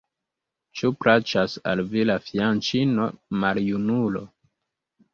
Ĉu plaĉas al vi la fianĉino, maljunulo?